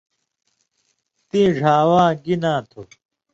تِئیں ڙھاواں گی ناں تُھو؟